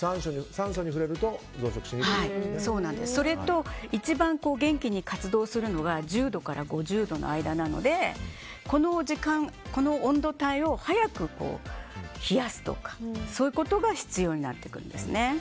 酸素に触れると増殖しにくくなるそれと一番元気に活動するのが１０度から５０度の間なのでこの温度帯を早く冷やすとかそういうことが必要になってくるんですね。